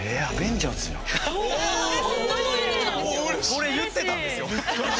俺言ってたんですよ。